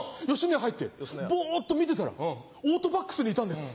野家入ってボっと見てたらオートバックスにいたんです。